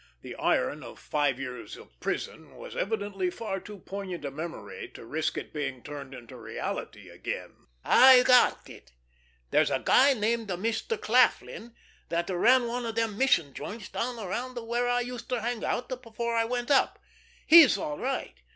The iron of five years of prison was evidently far too poignant a memory to risk it being turned into reality again. "I got it! There's a guy named Mister Claflin that ran one of them mission joints down around where I uster hang out before I went up. He's all right!